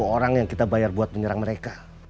sepuluh orang yang kita bayar buat menyerang mereka